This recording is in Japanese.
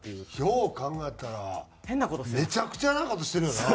よう考えたらめちゃくちゃな事してるよな。